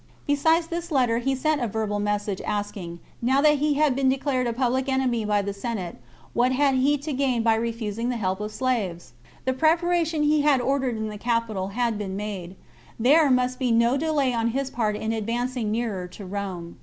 Besides this letter he sent a verbal message asking, now that he had been declared a public enemy by the Senate, what he had to gain by refusing the help of slaves .? Tlie preparation he had ordered in the capital had been made ; there must be no delay on his part in advancing nearer to Rome.